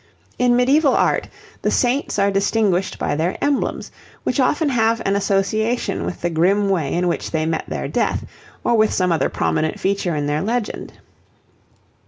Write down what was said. In medieval art the saints are distinguished by their emblems, which often have an association with the grim way in which they met their death, or with some other prominent feature in their legend.